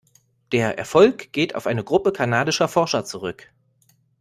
Der Erfolg geht auf eine Gruppe kanadischer Forscher zurück.